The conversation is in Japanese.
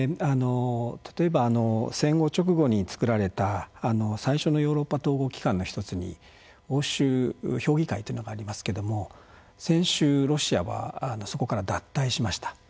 例えば戦後直後に作られた最初のヨーロッパ統合機関の１つに欧州評議会というのがありますけども先週ロシアはそこから脱退しました。